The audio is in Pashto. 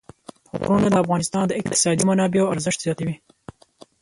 غرونه د افغانستان د اقتصادي منابعو ارزښت زیاتوي.